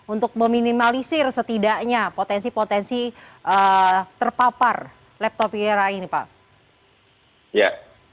untuk meminimalisir setidaknya potensi potensi terpapar leptopiera ini pak